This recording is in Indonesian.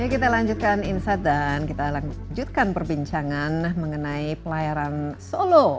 kita lanjutkan insight dan kita lanjutkan perbincangan mengenai pelayaran solo